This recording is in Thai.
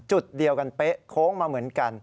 จุดเดียวกันเป๊ะโค้งมาเหมือนกัน